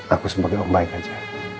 aku sebagai orang baik aja